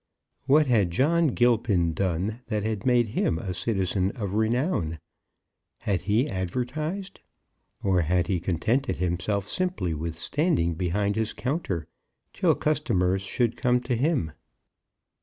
What had John Gilpin done that had made him a citizen of renown? Had he advertised? Or had he contented himself simply with standing behind his counter till customers should come to him?